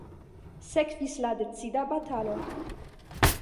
Sekvis la decida batalo.